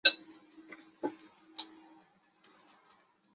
清水氏赤箭为兰科赤箭属下的一个种。